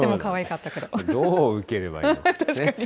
どう受ければいいのかですね。